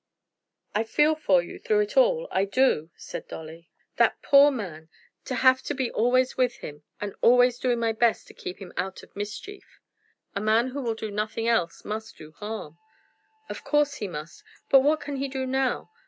"I feel for you through it all, I do," said Dolly. "That poor man! To have to be always with him, and always doing my best to keep him out of mischief!" "A man who will do nothing else must do harm." "Of course he must. But what can he do now?